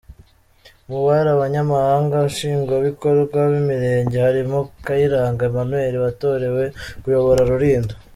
Mu bari Abanyamabanga Nshingwabikorwa b’Imirenge harimo Kayiranga Emmanuel watorewe kuyobora Rulindo.